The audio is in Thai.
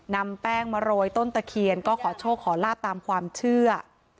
นำแป้งมาโรยต้นตะเคียนก็ขอโชคขอลาบตามความเชื่อ